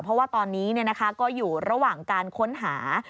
เพราะว่าตอนนี้ก็อยู่ระหว่างการค้นหา